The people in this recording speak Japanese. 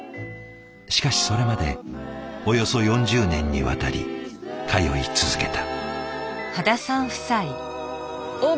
しかしそれまでおよそ４０年にわたり通い続けた。